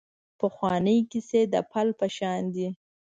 پخوانۍ کیسې د پل په شان دي .